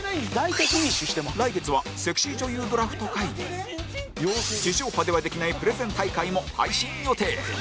来月はセクシー女優ドラフト会議地上波ではできないプレゼン大会も配信予定